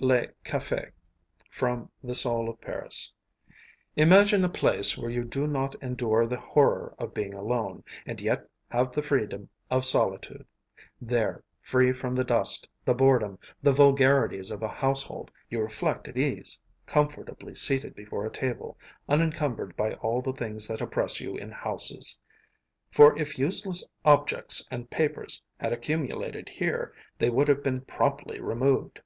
LE CAFÉ From 'The Soul of Paris' Imagine a place where you do not endure the horror of being alone, and yet have the freedom of solitude. There, free from the dust, the boredom, the vulgarities of a household, you reflect at ease, comfortably seated before a table, unincumbered by all the things that oppress you in houses; for if useless objects and papers had accumulated here they would have been promptly removed.